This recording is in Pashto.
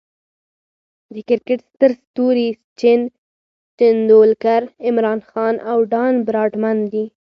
د کرکټ ستر ستوري سچن ټندولکر، عمران خان، او ډان براډمن دي.